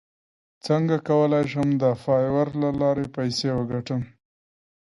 څنګه کولی شم د فایور له لارې پیسې وګټم